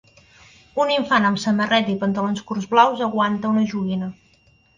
Un infant amb samarreta i pantalons curts blaus aguanta una joguina.